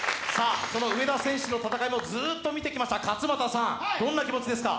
その上田選手の戦いもずっと見てきました勝俣さんどんな気持ちですか？